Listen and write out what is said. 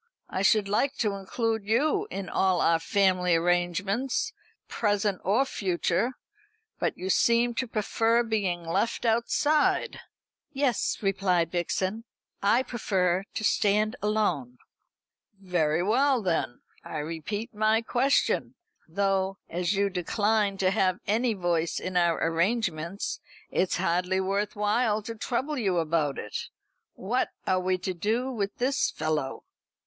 I should like to include you in all our family arrangements, present or future; but you seem to prefer being left outside." "Yes," replied Vixen, "I prefer to stand alone." "Very well then. I repeat my question though, as you decline to have any voice in our arrangements, it's hardly worth while to trouble you about it what are we to do with this fellow?"